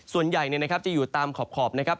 ส่วนใหญ่จะอยู่ตามขอบนะครับ